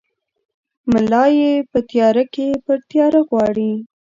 ملا ېې په تیاره کې پر تیاره غواړي!